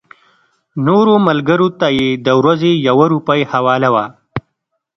نورو ملګرو ته یې د ورځې یوه روپۍ حواله وه.